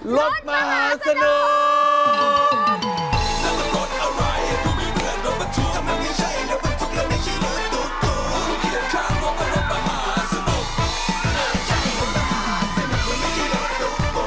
รถมหาสนุก